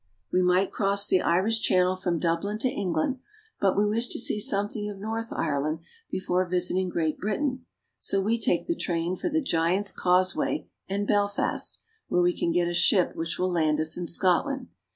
29 We might cross the Irish Channel from Dublin to Eng land, but we wish to see something of North Ireland before visiting Great Britain, so we take the train for the Giant's Causeway and Belfast, where we can get a ship which will land us in Scotland.